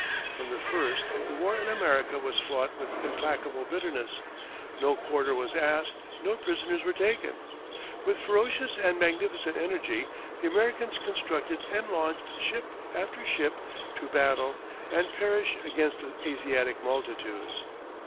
From the first the war in America was fought with implacable bitterness; no quarter was asked, no prisoners were taken. With ferocious and magnificent energy the Americans constructed and launched ship after ship to battle and perish against the Asiatic multitudes.